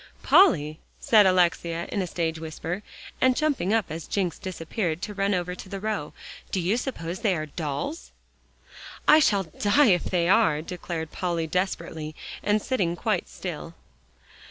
"Polly," said Alexia in a stage whisper, and jumping up as Jencks disappeared, to run over to the row, "do you suppose they are dolls?" "I shall die if they are," declared Polly desperately, and sitting quite still.